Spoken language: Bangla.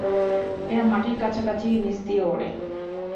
এরা মাটির কাছাকাছি নীচ দিয়ে ওড়ে।